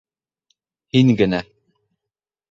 Һин генә!